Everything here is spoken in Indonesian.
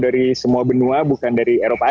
dari semua benua bukan dari eropa